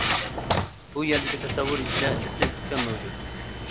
بۇ يەردىكى تەسەۋۋۇر ئىچىدە ئىستىلىستىكا مەۋجۇت.